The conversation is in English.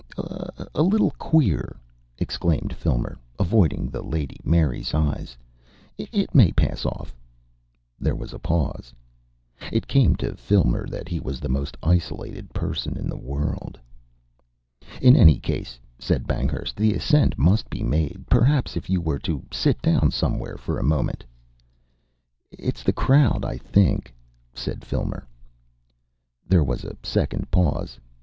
"A little queer," exclaimed Filmer, avoiding the Lady Mary's eyes. "It may pass off " There was a pause. It came to Filmer that he was the most isolated person in the world. "In any case," said Banghurst, "the ascent must be made. Perhaps if you were to sit down somewhere for a moment " "It's the crowd, I think," said Filmer. There was a second pause.